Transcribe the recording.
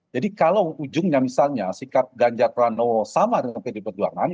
jadi kalau ujungnya misalnya sikap ganjar pranowo sama dengan pd perjuangan